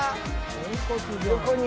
横に。